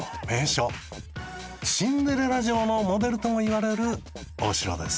シンデレラ城のモデルともいわれるお城です。